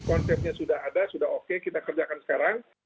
konsepnya sudah ada sudah oke kita kerjakan sekarang